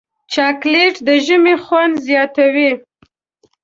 چاکلېټ د ژمي خوند زیاتوي.